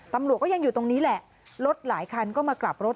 ตำรวจก็ยังอยู่ตรงนี้แหละรถหลายคันก็มากลับรถ